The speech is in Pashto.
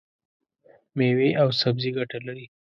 مېوې او سبزي ګټه لري.